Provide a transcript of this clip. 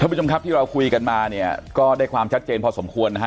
ผู้ชมครับที่เราคุยกันมาเนี่ยก็ได้ความชัดเจนพอสมควรนะฮะ